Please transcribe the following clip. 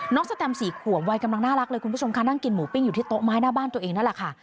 สแตม๔ขวบวัยกำลังน่ารักเลยคุณผู้ชมค่ะนั่งกินหมูปิ้งอยู่ที่โต๊ะไม้หน้าบ้านตัวเองนั่นแหละค่ะ